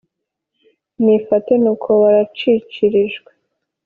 nifate kuno baracikirijwe,